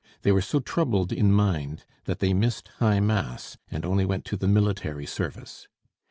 They were so troubled in mind that they missed high Mass, and only went to the military service.